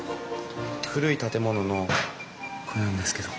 古い建物のこれなんですけど。